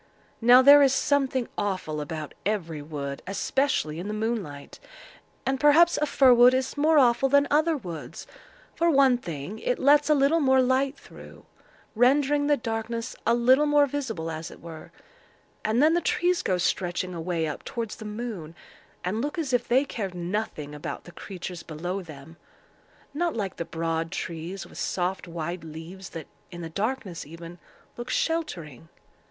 Now there is something awful about every wood, especially in the moonlight; and perhaps a fir wood is more awful than other woods. For one thing, it lets a little more light through, rendering the darkness a little more visible, as it were; and then the trees go stretching away up towards the moon, and look as if they cared nothing about the creatures below them—not like the broad trees with soft wide leaves that, in the darkness even, look sheltering.